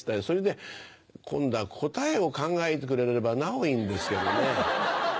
それで今度は答えを考えてくれればなおいいんですけどね。